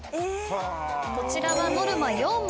こちらはノルマ４問。